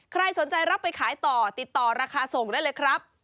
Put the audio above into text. ใครสนใจรับไปขายต่อติดต่อราคาส่งได้เลยครับ